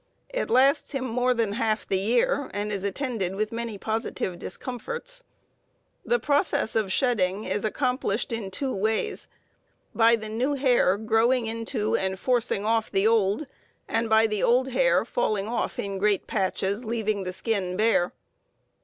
It lasts him more than half the year, and is attended with many positive discomforts. The process of shedding is accomplished in two ways: by the new hair growing into and forcing off the old, and by the old hair falling off in great patches, leaving the skin bare.